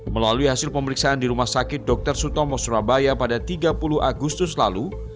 melalui hasil pemeriksaan di rumah sakit dr sutomo surabaya pada tiga puluh agustus lalu